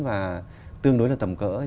và tương đối là tầm cỡ ấy